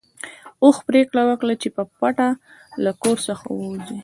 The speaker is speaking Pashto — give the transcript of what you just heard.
اوښ پرېکړه وکړه چې په پټه له کور څخه ووځي.